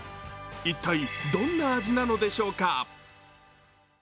一体どんな味なのでしょうか？